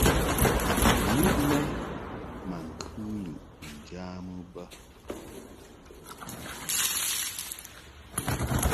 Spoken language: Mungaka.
Muʼ lɛ ma ŋkɨ lɨʼ njamɨ bə.